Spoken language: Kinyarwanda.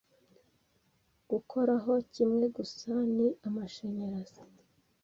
Gukoraho kimwe gusa ni amashanyarazi